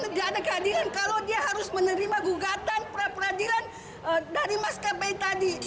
tidak ada keadilan kalau dia harus menerima gugatan peradilan dari mas kb tadi